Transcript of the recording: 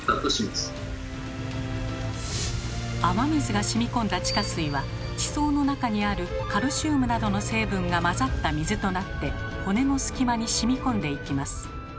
雨水が染み込んだ地下水は地層の中にあるカルシウムなどの成分が混ざった水となって骨の隙間に染み込んでいきます。